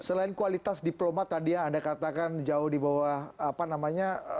selain kualitas diplomat tadi yang anda katakan jauh di bawah apa namanya